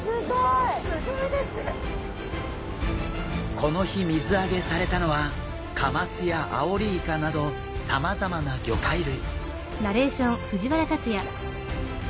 この日水揚げされたのはカマスやアオリイカなどさまざまな魚介類。